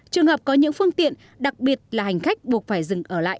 trường hợp có những phương tiện đặc biệt là hành khách buộc phải dừng ở lại